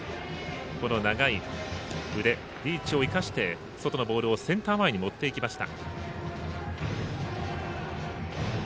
この長い腕、リーチを生かして外のボールをセンター前に持っていきました。